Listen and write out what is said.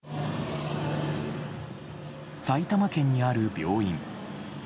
埼玉県にある病院。